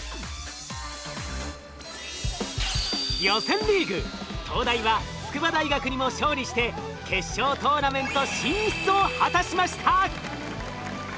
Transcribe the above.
予選リーグ東大は筑波大学にも勝利して決勝トーナメント進出を果たしました。